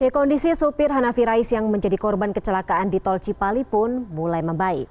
kondisi sopir hanafi rais yang menjadi korban kecelakaan di tol cipali pun mulai membaik